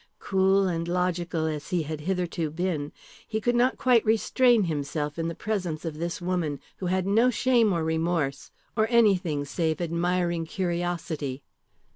Cool and logical as he had hitherto been, he could not quite restrain himself in the presence of this woman, who had no shame or remorse, or anything save admiring curiosity.